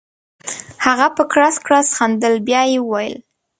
هغه په کړس کړس خندل بیا یې وویل.